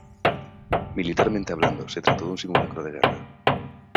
Militarmente hablando, se trató de un simulacro de guerra.